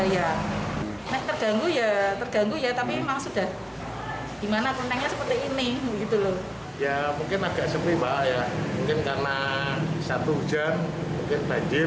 ya mungkin agak sembah ya mungkin karena satu hujan mungkin banjir